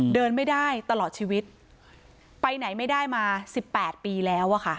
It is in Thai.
เดินไม่ได้ตลอดชีวิตไปไหนไม่ได้มาสิบแปดปีแล้วอะค่ะ